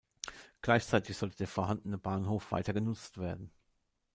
Gleichzeitig sollte der vorhandene Bahnhof weiter genutzt werden.